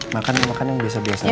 makan yang biasa biasa